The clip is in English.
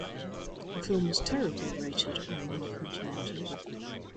The film was terribly rated on Rotten Tomatoes.